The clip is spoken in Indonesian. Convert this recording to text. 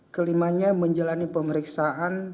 kelimanya menjalani pemeriksaan